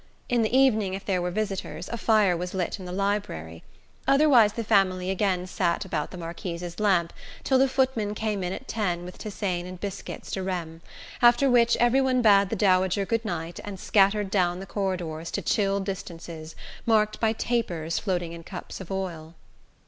In the evening, if there were visitors, a fire was lit in the library; otherwise the family again sat about the Marquise's lamp till the footman came in at ten with tisane and biscuits de Reims; after which every one bade the dowager good night and scattered down the corridors to chill distances marked by tapers floating in cups of oil.